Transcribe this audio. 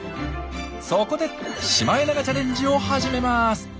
そこでシマエナガチャレンジを始めます。